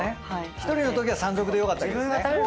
１人のときは山賊でよかったわけですね。